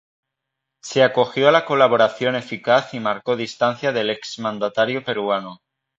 Se Acogió a la Colaboración Eficaz y marcó distancia del Ex Mandatario Peruano.